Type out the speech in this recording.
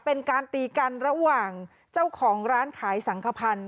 เป็นการตีกันระหว่างเจ้าของร้านขายสังขพันธ์